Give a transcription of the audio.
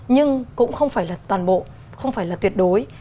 nhưng cũng không phải là toàn bộ không phải là tuyệt đối